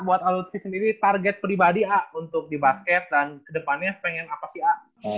buat allot season ini target pribadi pak untuk di basket dan kedepannya pengen apa sih pak